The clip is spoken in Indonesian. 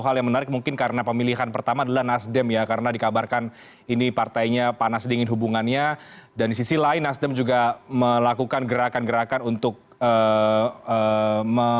bagaimana perjuangan pdi perjuangan ini